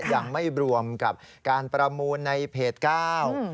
ยังไม่รวมกับการประมูลในเพจเก้า